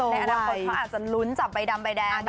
ในอนาคตเขาอาจจะลุ้นจับใบดำใบแดง